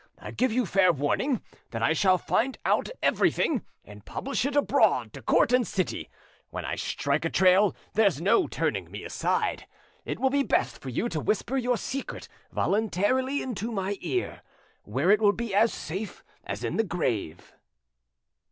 I give you fair warning that I shall find out everything and publish it abroad to court and city: when I strike a trail there's no turning me aside. It will be best for you to whisper your secret voluntarily into my ear, where it will be as safe as in the grave."